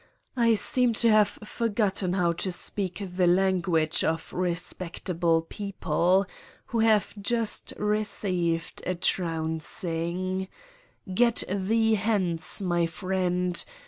I seem to have for gotten how to speak the language of respectable people who have just received a trouncing. Get thee hence, my friend.